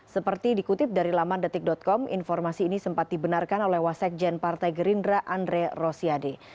seperti dikutip dari laman detik com informasi ini sempat dibenarkan oleh wasekjen partai gerindra andre rosiade